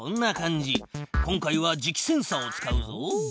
今回は磁気センサを使うぞ。